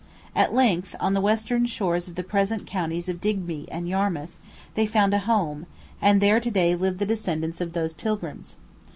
At length, on the western shores of the present counties of Digby and Yarmouth, they found a home, and there to day live the descendants of these pilgrims.